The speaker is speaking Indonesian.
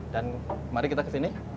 dan mari kita ke sini